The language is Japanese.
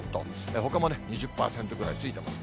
ほかも２０％ぐらいついてます。